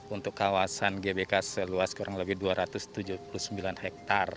untuk kawasan gbk seluas kurang lebih dua ratus tujuh puluh sembilan hektare